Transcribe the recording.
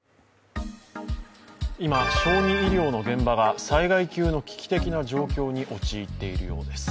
今、小児医療の現場が災害級の危機的な状況に陥っているようです。